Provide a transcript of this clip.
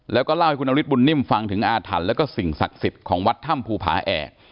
แล้วก็เล่าให้คุณนฤทธบุญนิ่มฟังถึงอาถรรพ์แล้วก็สิ่งศักดิ์สิทธิ์ของวัดถ้ำภูผาแอก